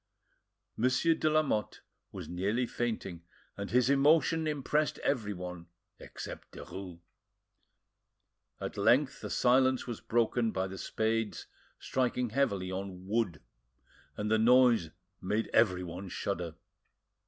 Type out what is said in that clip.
Monsieur de Lamotte was nearly fainting, and his emotion impressed everyone except Derues. At length the silence was broken by the spades striking heavily on wood, and the noise made everyone shudder.